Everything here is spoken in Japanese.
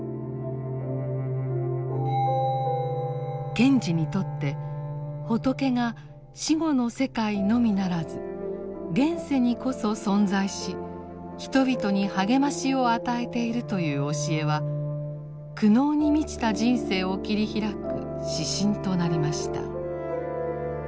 賢治にとって仏が死後の世界のみならず現世にこそ存在し人々に励ましを与えているという教えは苦悩に満ちた人生を切り開く指針となりました。